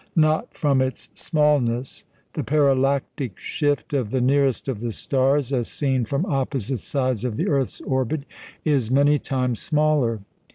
Not from its smallness. The parallactic shift of the nearest of the stars as seen from opposite sides of the earth's orbit, is many times smaller.